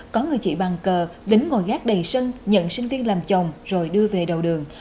có người chị bàn cờ dính ngồi gác đầy sân nhận sinh viên làm chồng rồi đưa về đầu đường